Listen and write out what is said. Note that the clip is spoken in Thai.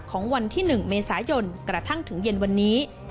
ของวันที่๑เมษายนกระทั่งถึงเย็นวันนี้